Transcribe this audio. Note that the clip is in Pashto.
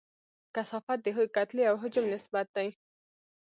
کثافت د کتلې او حجم نسبت دی.